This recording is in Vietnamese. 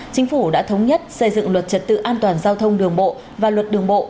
chính phủ đã thống nhất xây dựng luật trật tự an toàn giao thông đường bộ và luật đường bộ